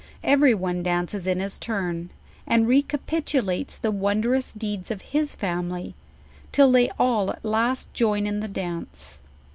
Every one dances in his turn, and recapitulates the won derous deeds of his family, till they all at last join in the dance.